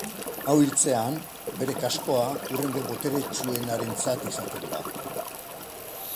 Hau hiltzean, bere kaskoa hurrengo boteretsuenarentzat izaten da.